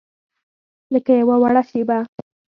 لکه یوه وړه شیبه